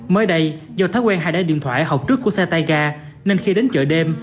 mới đây do thói quen hai đáy điện thoại học trước của satayga nên khi đến chợ đêm